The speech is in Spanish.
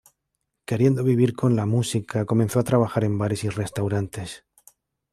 Queriendo vivir con la música, comenzó a trabajar en bares y restaurantes.